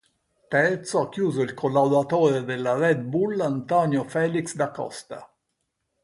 Terzo ha chiuso il collaudatore della Red Bull António Félix da Costa.